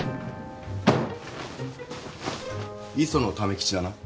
磯野為吉だな？